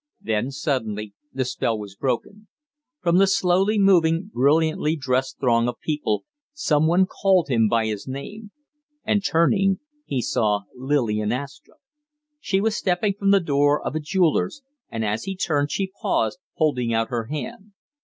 Then, suddenly, the spell was broken. From the slowly moving, brilliantly dressed throng of people some one called him by his name; and turning he saw Lillian Astrupp. She was stepping from the door of a jeweller's, and as he turned she paused, holding out her hand.